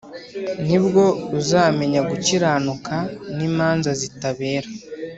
Ni bwo uzamenya gukiranuka n imanza zitabera